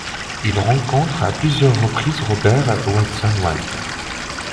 Il rencontre à plusieurs reprises Robert Watson-Watt.